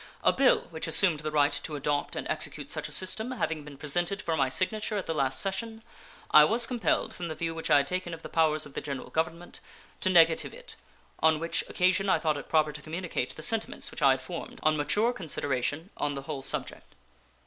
A bill which assumed the right to adopt and execute such a system having been presented for my signature at the last session, I was compelled, from the view which I had taken of the powers of the General Government, to negative it, on which occasion I thought it proper to communicate the sentiments which I had formed, on mature consideration, on the whole subject.